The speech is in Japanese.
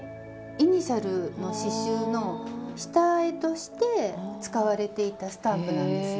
イニシャルの刺しゅうの下絵として使われていたスタンプなんですよ。